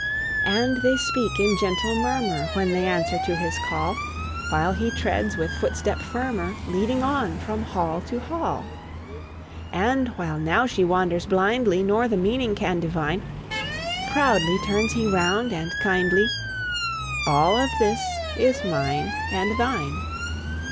And they speak in gentle murmur When they answer to his call, While he treads with footstep firmer, Leading on from hall to hall. And while now she wanders blindly, Nor the meaning can divine, Proudly turns he round and kindly, "All of this is mine and thine."